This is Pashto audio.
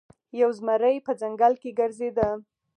یو زمری په ځنګل کې ګرځیده.